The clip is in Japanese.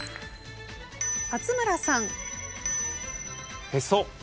勝村さん。